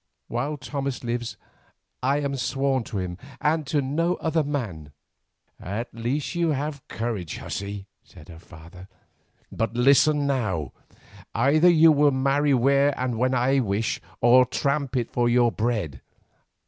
While Thomas lives I am sworn to him and to no other man." "At the least you have courage, hussey," said her father. "But listen now, either you will marry where and when I wish, or tramp it for your bread.